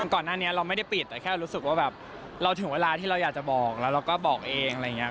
ก่อนหน้านี้เราไม่ได้ปิดแต่แค่รู้สึกว่าแบบเราถึงเวลาที่เราอยากจะบอกแล้วเราก็บอกเองอะไรอย่างนี้